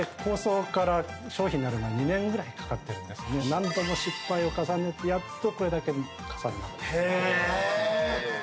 何度も失敗を重ねてやっとこれだけの傘になった。